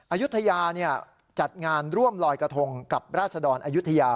อายุทยาจัดงานร่วมลอยกระทงกับราศดรอายุทยา